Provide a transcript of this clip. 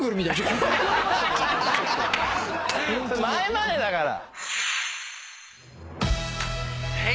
それ前までだから。